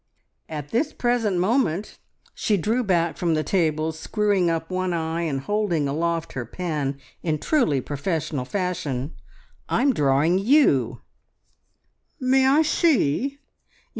At this present moment " she drew back from the table, screwing up one eye, and holding aloft her pen in truly professional fashion "I'm drawing You!" "May I see?"